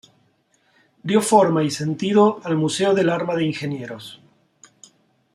Dio forma y sentido al Museo del Arma de Ingenieros.